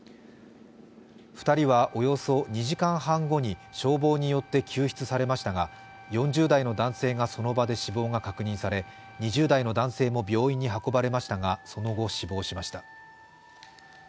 ２人はおよそ２時間半後に消防によって救出されましたが４０代の男性がその場で死亡が確認され、２０代の男性も病院に運ばれましたが、その後死亡しました。